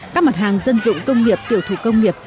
các mặt hàng dân dụng công nghiệp tiểu thủ công nghiệp